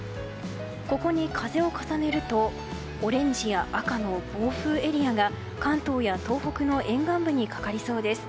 ここに風を重ねるとオレンジや赤の暴風エリアが関東や東北の沿岸部にかかりそうです。